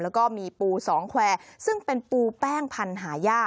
แล้วก็มีปูสองแควร์ซึ่งเป็นปูแป้งพันธุ์หายาก